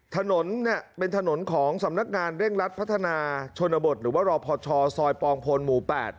ถนนเป็นถนนของสำนักงานเร่งรัดพัฒนาชนบทหรือว่ารอพชซอยปองพลหมู่๘